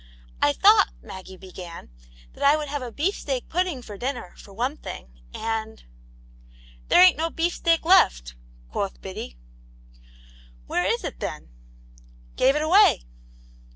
" I thought," Maggie began, " that I would have a beefsteak pudding for dinner, for one thing, and i" " There ain't no beefsteak left," quoth Biddy, "Where is it, then.''" " Gave it away.